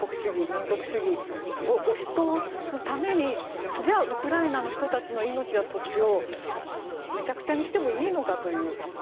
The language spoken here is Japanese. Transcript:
民族主義を押し通すためにじゃあ、ウクライナの人たちの命や土地をめちゃくちゃにしてもいいのかという。